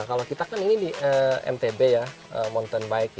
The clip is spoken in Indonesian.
kalau kita kan ini di mtb ya mountain bike